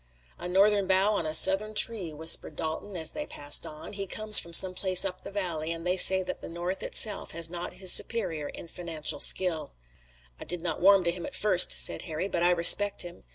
"A Northern bough on a Southern tree," whispered Dalton, as they passed on. "He comes from some place up the valley and they say that the North itself has not his superior in financial skill." "I did not warm to him at first," said Harry, "but I respect him.